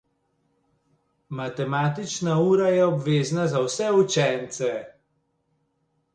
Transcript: Matematična ura je obvezna za vse učence.